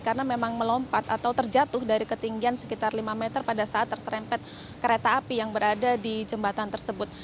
karena memang melompat atau terjatuh dari ketinggian sekitar lima meter pada saat terserempet kereta api yang berada di jembatan tersebut